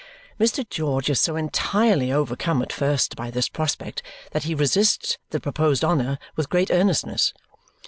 Mr. George is so entirely overcome at first by this prospect that he resists the proposed honour with great earnestness.